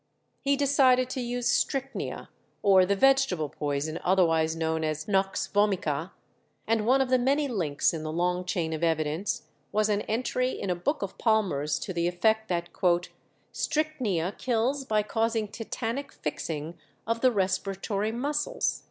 He decided to use strychnia, or the vegetable poison otherwise known as nux vomica; and one of the many links in the long chain of evidence was an entry in a book of Palmer's to the effect that "strychnia kills by causing tetanic fixing of the respiratory muscles."